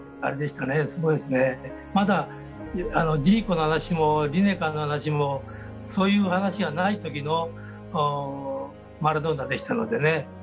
すごいですねまだあのジーコの話もリネカーの話もそういう話がない時のマラドーナでしたのでね